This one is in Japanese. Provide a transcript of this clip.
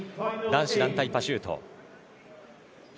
男子団体パシュート。